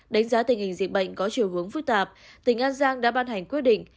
đánh giá tình hình dịch bệnh có chiều hướng phức tạp tỉnh an giang đã ban hành quyết định